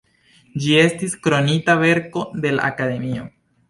Ĝi estis Kronita Verko de la Akademio.